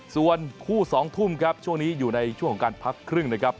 ส่วนคู่๒ทุ่มครับช่วงนี้อยู่ในช่วงของการพักครึ่งนะครับ